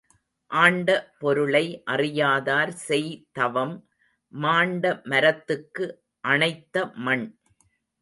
ஆண்ட பொருளை அறியாதார் செய் தவம் மாண்ட மரத்துக்கு அணைத்த மண்.